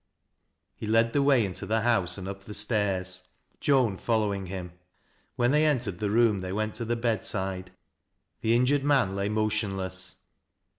He led the way into the house and up the stairs, Joan following him. When they entered th : room they wenl t,' the bedside The injured man lay motionless.